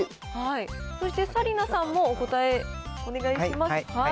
そして紗理奈さんも、お答え、お願いします。